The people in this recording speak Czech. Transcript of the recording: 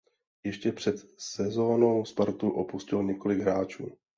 Ještě před sezonou Spartu opustilo několik hráčů.